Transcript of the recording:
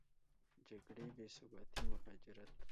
جګړې، بېثباتي، مهاجرت